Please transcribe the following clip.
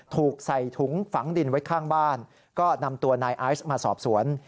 ถูกใส่ถุงฝังดินไว้ข้างบ้านก็นำตัวนายไอซ์มาสอบสวน